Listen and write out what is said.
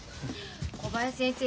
小林先生さ